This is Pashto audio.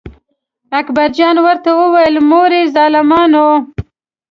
اکبر جان ورته وویل: مورې ظالمانو.